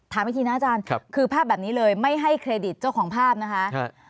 อีกทีนะอาจารย์คือภาพแบบนี้เลยไม่ให้เครดิตเจ้าของภาพนะคะ